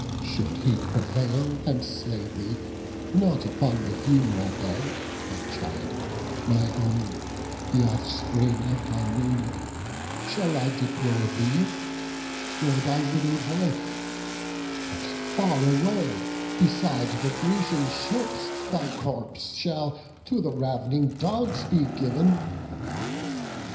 should he prevail, And slay thee, not upon the fun'ral bed, My child, my own, the offspring of my womb, Shall I deplore thee, nor thy widow'd wife, But far away, beside the Grecian ships, Thy corpse shall to the rav'ning dogs be giv'n."